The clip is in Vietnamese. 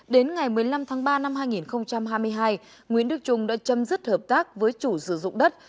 đến ngày một mươi năm tháng ba năm hai nghìn hai mươi hai nguyễn đức trung đã chấm dứt hợp tác với chủ sử dụng đất